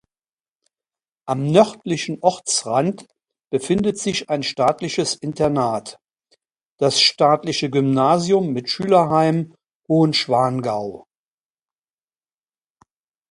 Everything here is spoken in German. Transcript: Am nördlichen Ortsrand befindet sich ein staatliches Internat: Das staatliche Gymnasium mit Schülerheim Hohenschwangau.